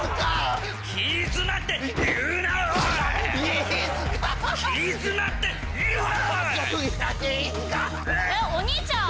えっお兄ちゃん？